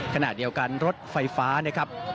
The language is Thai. ขณะเดียวกันรถไฟฟ้า